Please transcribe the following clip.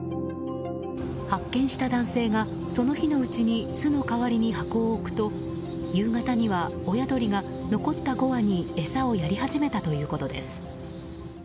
発見した男性が、その日のうちに巣の代わりに箱を置くと夕方には、親鳥が残った５羽に餌をやり始めたということです。